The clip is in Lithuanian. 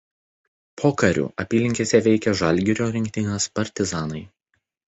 Pokariu apylinkėse veikė Žalgirio rinktinės partizanai.